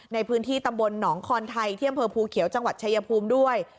ในพื้นที่ตำบลหนองคอนไทยที่อำเภอภูเขียวจังหวัดชายภูมิด้วย